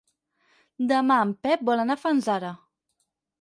Demà en Pep vol anar a Fanzara.